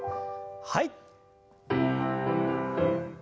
はい。